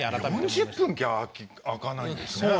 ４０分しか空かないんですね。